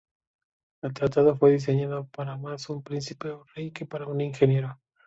El tratado fue diseñado más para un príncipe o rey que para un ingeniero.